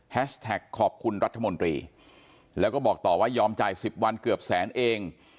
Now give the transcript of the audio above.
แท็กขอบคุณรัฐมนตรีแล้วก็บอกต่อว่ายอมจ่าย๑๐วันเกือบแสนเอง